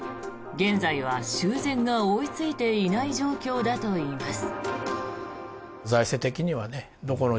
現在は修繕が追いついていない状況だといいます。